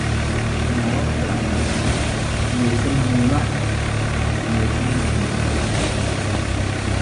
Naawuni daa yɛli, “Neesim, neema!” Ka neesim dii neei.